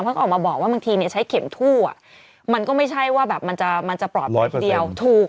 เขาก็ออกมาบอกว่าบางทีใช้เข็มทู่มันก็ไม่ใช่ว่าแบบมันจะปลอดภัยคนเดียวถูก